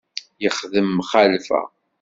Yexdem mxalfa.